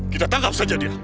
kita tangkap saja dia